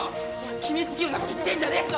決めつけるようなこと言ってんじゃねえぞ！